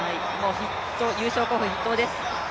優勝候補筆頭です。